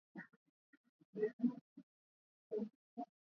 kwa mwezi huo juu zaidi kutoka dola milioni ishirini na tisa